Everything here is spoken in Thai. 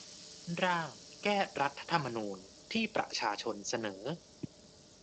ร่าง แก้รัฐธรรมนูญ ที่ประชาชนเสนอ